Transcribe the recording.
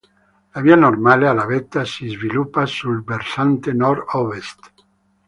La via normale alla vetta si sviluppa sul versante nord-ovest.